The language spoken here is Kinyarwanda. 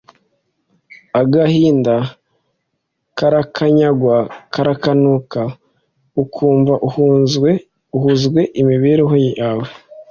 agahinda karakanyagwa, karanuka ukumva uhuzwe imibereho yawe